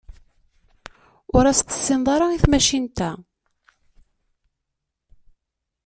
Ur as-tessineḍ ara i tmacint-a.